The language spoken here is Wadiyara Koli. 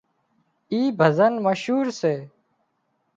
اين ڀزن مشهور سي